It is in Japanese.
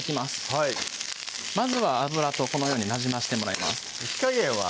はいまずは油とこのようになじましてもらいます火加減は？